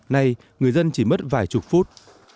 nay người dân chỉ mất vài chục phút